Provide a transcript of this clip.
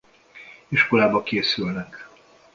Iskolába készülnek.